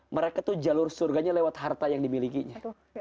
mereka tuh jalur surganya lewat harta yang dimilikinya